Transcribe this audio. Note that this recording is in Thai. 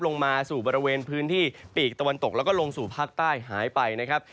ลงมาสู่บริเวณพื้นที่ปีกตะวันตกแล้วก็ลงสู่ภาคใต้หายไปนะครับ